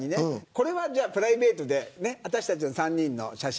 これはプライベートで私たち３人の写真。